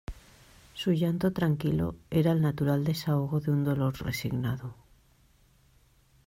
Su llanto tranquilo era el natural desahogo de un dolor resignado.